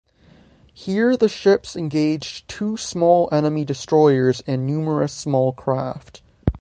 Here the ships engaged two small enemy destroyers and numerous small craft.